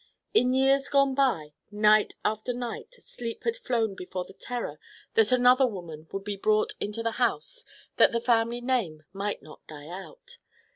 In years gone by, night after night sleep had flown before the terror that another woman would be brought into the house that the family name might not die out.